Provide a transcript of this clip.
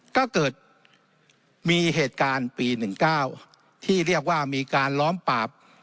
ก็เกิดมีเหตุการณ์ปี๑๙ที่เรียกว่ามีการล้อมปราบ